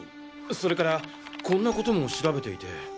それからこんなことも調べていて。